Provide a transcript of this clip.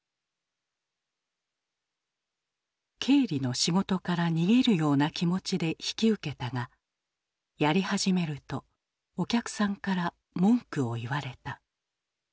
経理の仕事から逃げるような気持ちで引き受けたがやり始めるとお客さんから文句を言われた。